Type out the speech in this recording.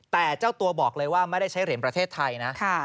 แต่เจ้าตัวบอกเลยว่าไม่ได้ใช้เหรียญประเทศไทยนะ